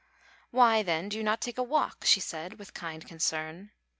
"Why, then, do you not take a walk?" she said, with kind concern.